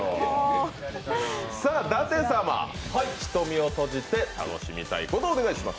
舘様、瞳を閉じて楽しみたいことお願いします。